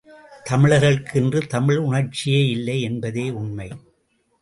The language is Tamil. தமிழர்களுக்கு இன்று தமிழ் உணர்ச்சியே இல்லை என்பதே உண்மை!